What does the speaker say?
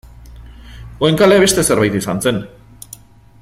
Goenkale beste zerbait izan zen.